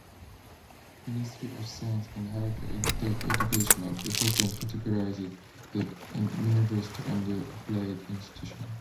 Ministry of Science and Higher Education of Ethiopian categorized the university under Applied institutions.